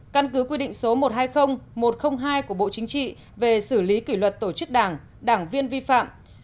căn cứ quy định số một trăm hai mươi một trăm linh hai của bộ chính trị về xử lý kỷ luật tổ chức đảng đảng viên vi phạm